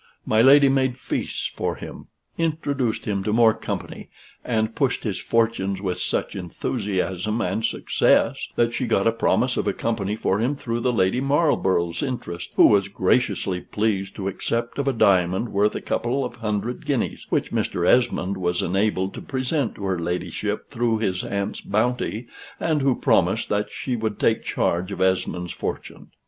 My lady made feasts for him, introduced him to more company, and pushed his fortunes with such enthusiasm and success, that she got a promise of a company for him through the Lady Marlborough's interest, who was graciously pleased to accept of a diamond worth a couple of hundred guineas, which Mr. Esmond was enabled to present to her ladyship through his aunt's bounty, and who promised that she would take charge of Esmond's fortune.